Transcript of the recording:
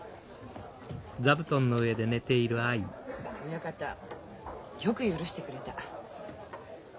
親方よく許してくれた。